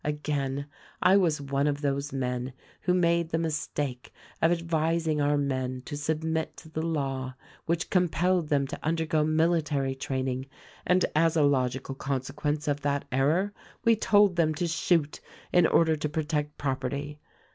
Again, I was one of those men who made the mistake of advising our men to submit to the law which compelled them to undergo military training, and as a logical consequence of that error we told them to shoot in order to protect property.